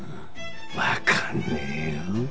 わかんねえよ。